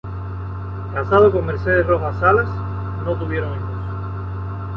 Casado con Mercedes Rojas Salas, no tuvieron hijos.